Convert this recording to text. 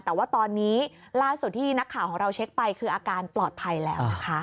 แต่ว่าตอนนี้ล่าสุดที่นักข่าวของเราเช็คไปคืออาการปลอดภัยแล้วนะคะ